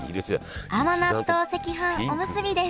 甘納豆赤飯おむすびです